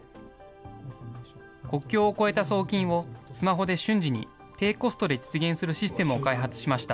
国境を越えた送金を、スマホで瞬時に、低コストで実現するシステムを開発しました。